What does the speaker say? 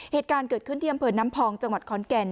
เหตุการณ์เกิดขึ้นที่อำเภอน้ำพองจังหวัดขอนแก่น